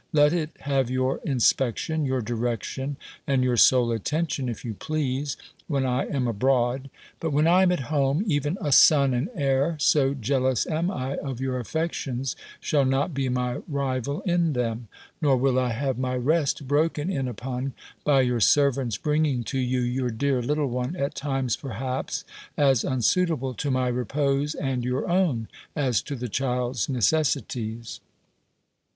Let it have your inspection, your direction, and your sole attention, if you please, when I am abroad: but when I am at home, even a son and heir, so jealous am I of your affections, shall not be my rival in them: nor will I have my rest broken in upon, by your servants bringing to you your dear little one, at times, perhaps, as unsuitable to my repose and your own, as to the child's necessities.